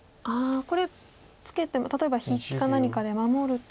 これツケて例えば引きか何かで守ると。